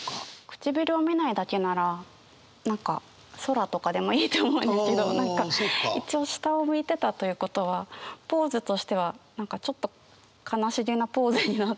くちびるを見ないだけなら何か空とかでもいいと思うんですけど何か一応下を向いてたということはポーズとしては何かちょっとえっ悲しいと笑けるタイプ？